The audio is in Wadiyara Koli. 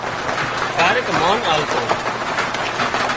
ڪاريڪ مانه آلتو